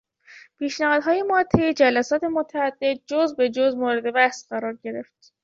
پیشنهادهای ما طی جلسات متعدد جز به جز مورد بحث قرار گرفت.